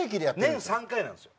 年３回なんすよ。